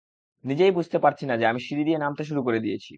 নিজেই বুঝতে পারছি না যে, আমি সিঁড়ি দিয়ে নামতে শুরু করে দিয়েছি।